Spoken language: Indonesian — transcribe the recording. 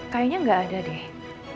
kayaknya nggak ada deh